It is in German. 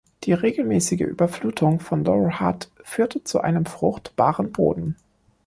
Die regelmäßige Überflutung von Lower Hutt führte zu einem fruchtbaren Boden.